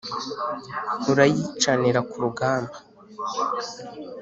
Urayicanira ku rugamba